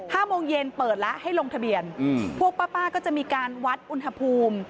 โมงเย็นเปิดแล้วให้ลงทะเบียนอืมพวกป้าป้าก็จะมีการวัดอุณหภูมิ